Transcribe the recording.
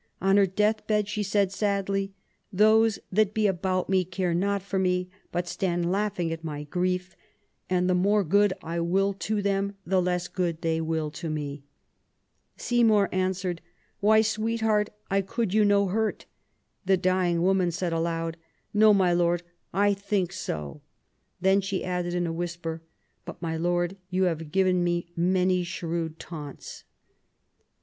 On her deathbed, she said sadly: Those that be about me care not for me, but stand laughing at my gi'ief ; and the more good I will to them the less good they will to me ". Seymour answered :" Why, sweetheart, I could you no hurt ". The dying woman said aloud :" No, my Lord, I think so ;" then she added in a whisper, " but, my Lord, you have given me many shrewd taunts